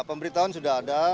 ya pemberitahuan sudah ada